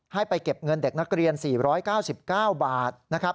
ให้ไปเก็บเงินเด็กนักเรียน๔๙๙บาทนะครับ